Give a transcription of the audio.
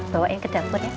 bawain ke dapur ya